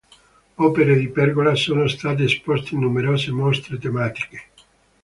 Opere di Pergola sono state esposte in numerose mostre tematiche.